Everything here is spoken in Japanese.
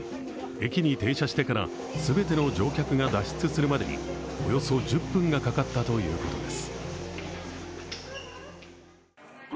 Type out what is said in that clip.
駅に停車してから全ての乗客が脱出するまでにおよそ１０分がかかったということです。